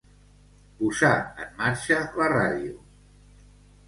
Posar en marxa la ràdio.